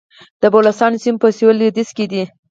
د بلوڅانو سیمې په سویل لویدیځ کې دي